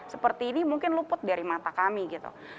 seperti ini mungkin luput dari mata kami gitu